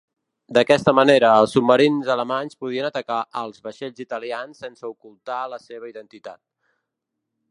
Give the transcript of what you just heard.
D'aquesta manera, els submarins alemanys podien atacar als vaixells italians sense ocultar la seva identitat.